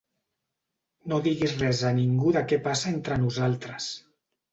No diguis res a ningú de què passa entre nosaltres.